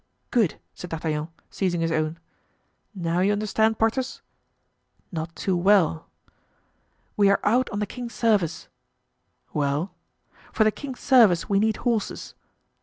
"Good!" said D'Artagnan, seizing his own; "now you understand, Porthos?" "Not too well." "We are out on the king's service." "Well?" "For the king's service we need horses."